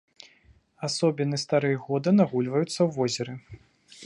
Асобіны старэй года нагульваюцца ў возеры.